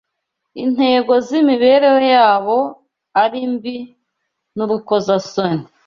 intego z’imibereho yabo ari mbi n’urukozasoni.